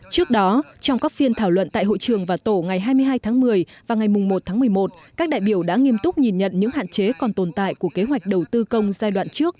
trước đó trong các phiên thảo luận tại hội trường vào tổ ngày hai mươi hai tháng một mươi và ngày một tháng một mươi một các đại biểu đã nghiêm túc nhìn nhận những hạn chế còn tồn tại của kế hoạch đầu tư công giai đoạn trước